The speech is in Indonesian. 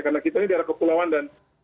karena kita ini daerah kepulauan dan